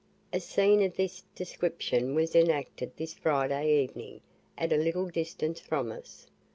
A scene of this description was enacted this Friday evening, at a little distance from us.